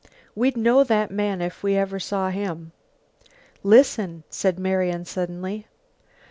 We'd know that man if we ever saw him." "Listen!" said Marian suddenly.